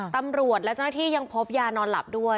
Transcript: ตำรวจและเจ้าหน้าที่ยังพบยานอนหลับด้วย